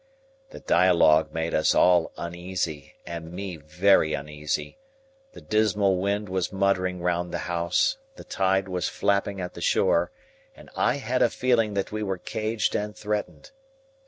This dialogue made us all uneasy, and me very uneasy. The dismal wind was muttering round the house, the tide was flapping at the shore, and I had a feeling that we were caged and threatened.